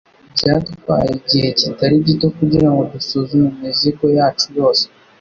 Byatwaye igihe kitari gito kugirango dusuzume imizigo yacu yose.